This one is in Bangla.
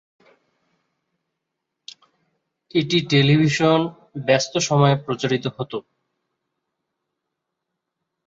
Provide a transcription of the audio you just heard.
এটি টেলিভিশন ব্যস্ত সময়ে প্রচারিত হতো।